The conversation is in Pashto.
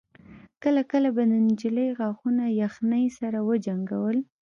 کله کله به د نجلۍ غاښونه يخنۍ سره وجنګول.